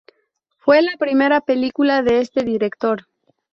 Fue la primera película de este director.